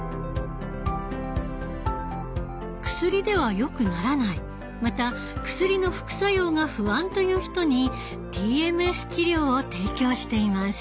薬ではよくならないまた薬の副作用が不安という人にＴＭＳ治療を提供しています。